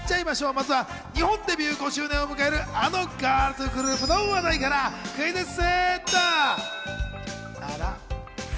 まずは日本デビュー５周年を迎える、あのガールズグループの話題からクイズッス！